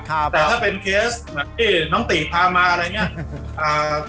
แต่ถ้าเป็นเคสแบบที่น้องติพามาอะไรอย่างนี้